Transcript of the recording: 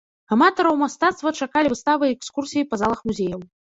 Аматараў мастацтва чакалі выставы і экскурсіі па залах музеяў.